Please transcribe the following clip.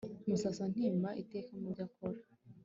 musasantimba iteka mubyo akora